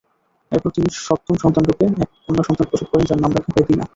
এরপর তিনি সপ্তম সন্তানরূপে এক কন্যা সন্তান প্রসব করেন যার নাম রাখা হয় দিনা।